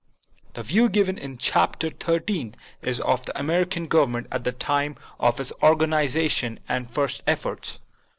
The view given in Chapter XIII is of the American Government at the time of its organiza tion and first efforts.